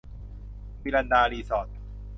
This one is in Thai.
วีรันดา รีสอร์ท